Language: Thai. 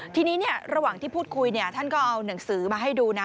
ทีนี้ระหว่างที่พูดคุยท่านก็เอาหนังสือมาให้ดูนะ